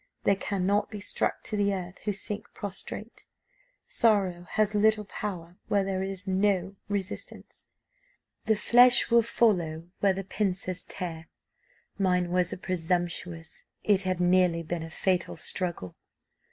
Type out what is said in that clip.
They cannot be struck to the earth who sink prostrate; sorrow has little power where there is no resistance. 'The flesh will follow where the pincers tear.' Mine was a presumptuous it had nearly been a fatal struggle.